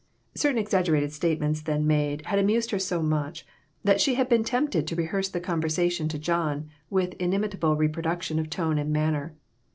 Certain exaggerated statements then made had amused her so much that she had been tempted to rehearse the conversation to John with inimitable reproduction of tone and manner.